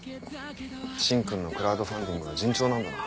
芯君のクラウドファンディングは順調なんだな。